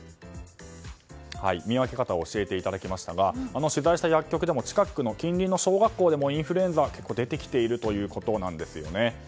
見分け方を教えていただきましたが取材した薬局でも近隣の小学校でもインフルエンザ結構出てきているということなんです。